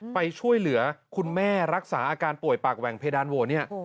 ไปช่วยเหลือคุณแม่รักษาอาการป่วยปากแหว่งเพดานโหวตเนี่ย